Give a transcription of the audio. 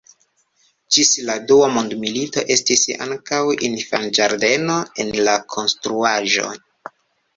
Ĝis la Dua mondmilito estis ankaŭ infanĝardeno en la konstruaĵo.